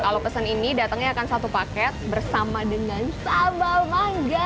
kalau pesen ini datangnya akan satu paket bersama dengan sambal mangga